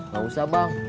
gak usah bang